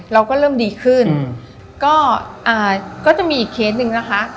เราก็เริ่มดีขึ้นก็อ่าก็จะมีอีกเคสหนึ่งนะคะ